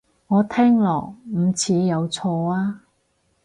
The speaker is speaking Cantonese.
我聽落唔似有錯啊